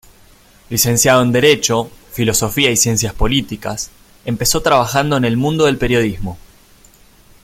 Licenciado en Derecho, Filosofía y Ciencias políticas, empezó trabajando en el mundo del periodismo.